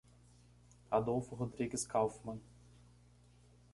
Adolfo Rodrigues Kauffmann